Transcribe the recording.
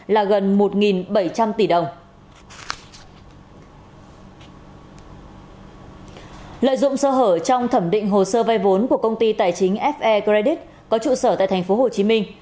lợi dụng sơ hở trong thẩm định hồ sơ vay vốn của công ty tài chính fe credit có trụ sở tại tp hcm